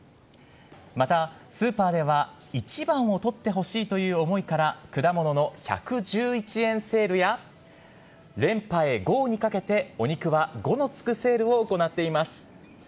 また、スーパーでは、一番をとってほしいという思いから、果物の１１１円セールや、連覇へＧＯにかけて、お肉は５のつくセールを行っています。